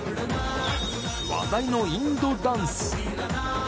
話題のインドダンス。